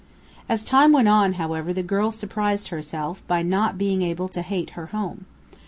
As time went on, however, the girl surprised herself by not being able to hate her home.